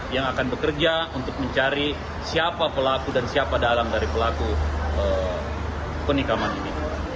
yang akan bekerja untuk mencari siapa pelaku dan siapa dalang dari pelaku penikaman ini